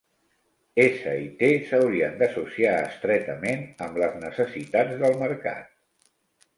S i T s'haurien d'associar estretament amb les necessitats del mercat.